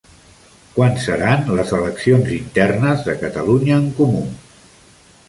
Quan seran les eleccions internes de Catalunya en Comú?